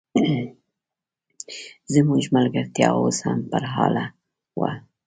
زموږ ملګرتیا اوس هم برحاله وه.